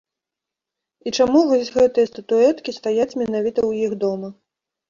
І чаму вось гэтыя статуэткі стаяць менавіта ў іх дома.